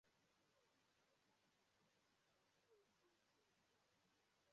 na steeti Ebonyi